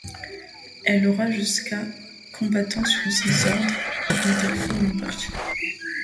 Elle aura jusqu'à combattants sous ses ordres, dont elle forme une partie.